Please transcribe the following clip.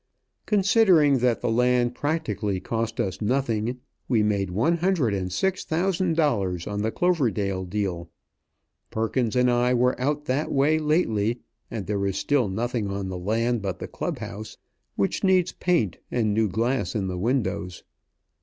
Considering that the land practically cost us nothing, we made one hundred and six thousand dollars on the Cloverdale deal. Perkins and I were out that way lately; and there is still nothing on the land but the Club house, which needs paint and new glass in the windows.